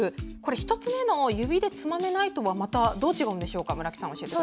１つ目の指でつまめないとはどう違うんでしょうか、村木さん。